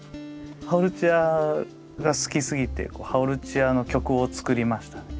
ハオルチアが好きすぎてハオルチアの曲を作りました。